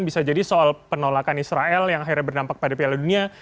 bisa jadi soal penolakan israel yang akhirnya berdampak pada piala dunia